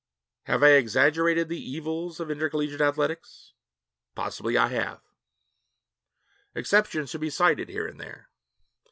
Have I exaggerated the evils of intercollegiate athletics? Possibly I have. Exceptions should be cited here and there.